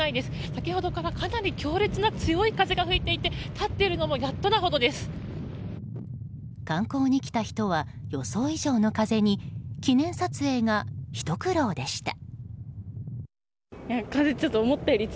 先ほどからかなり強烈な強い風が吹いていて観光に来た人は予想以上の風に記念撮影がひと苦労でした。